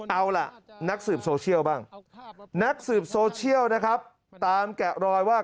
เอาล่ะนักสืบโซเชียลบ้างนักสืบโซเชียลนะครับตามแกะรอยว่า